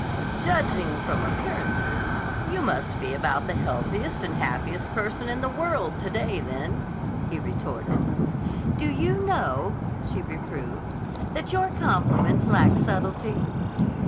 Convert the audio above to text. "Judging from appearances, you must be about the healthiest and happiest person in the world to day, then," he retorted. "Do you know," she reproved, "that your compliments lack subtlety?"